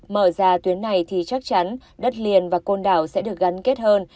mở ra tuyến này thì chắc chắn đất liền và côn đảo sẽ được gắn kết hơn